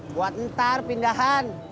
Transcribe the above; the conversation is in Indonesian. buat ntar pindahan